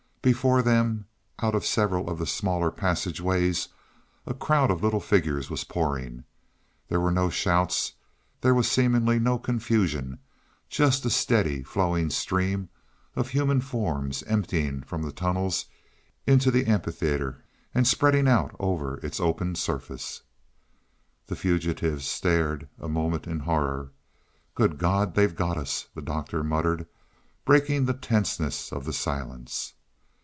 Before them, out of several of the smaller passageways, a crowd of little figures was pouring. There were no shouts; there was seemingly no confusion; just a steady, flowing stream of human forms, emptying from the tunnels into the amphitheater and spreading out over its open surface. The fugitives stared a moment in horror. "Good God! they've got us," the Doctor muttered, breaking the tenseness of the silence.